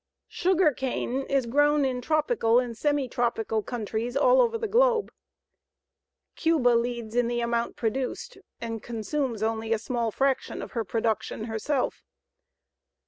Sugar cane is grown in tropical and semitropical countries all over the globe. Cuba leads in the amount produced, and consumes only a small fraction of her production herself.